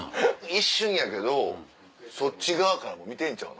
一瞬やけどそっち側から見てんちゃう？